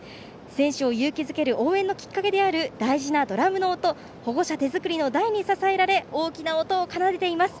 選手を勇気づける応援のきっかけである大事なドラムの音保護者手作りの台に支えられ大きな音を奏でています。